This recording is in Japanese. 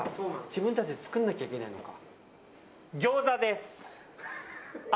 自分たちで作んなきゃいけないのか。